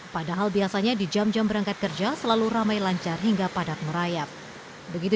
padahal biasanya di jam jam berangkat kerja selalu ramai lancar hingga padat merayap begitu